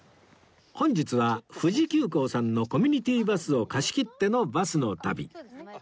本日は富士急行さんのコミュニティバスを貸し切ってのバスの旅